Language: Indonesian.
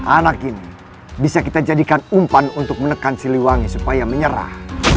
anak ini bisa kita jadikan umpan untuk menekan siliwangi supaya menyerah